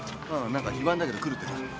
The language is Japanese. なんか非番だけど来るってさ。